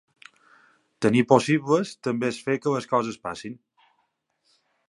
Tenir possibles també és fer que les coses passin.